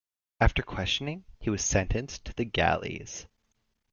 After questioning he was sentenced to the galleys.